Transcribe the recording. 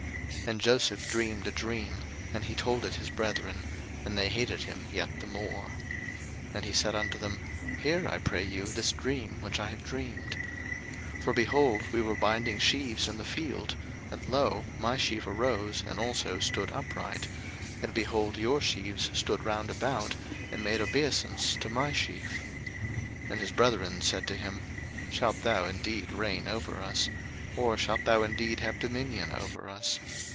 01:037:005 And Joseph dreamed a dream, and he told it his brethren: and they hated him yet the more. 01:037:006 And he said unto them, Hear, I pray you, this dream which I have dreamed: 01:037:007 For, behold, we were binding sheaves in the field, and, lo, my sheaf arose, and also stood upright; and, behold, your sheaves stood round about, and made obeisance to my sheaf. 01:037:008 And his brethren said to him, Shalt thou indeed reign over us? or shalt thou indeed have dominion over us?